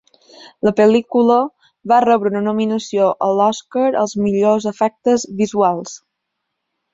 La pel·lícula va rebre una nominació a l'Oscar als millors efectes visuals.